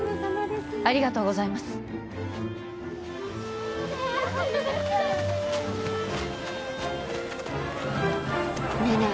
ありがとうございますねえねえ